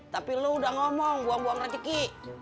tapi lu udah ngomong buang buang rezeki